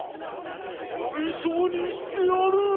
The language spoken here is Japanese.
びしょびしょにしてやる。